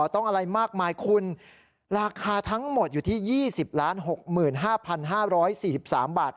ต้องอะไรมากมายคุณราคาทั้งหมดอยู่ที่ยี่สิบล้านหกหมื่นห้าพันห้าร้อยสี่สามบาท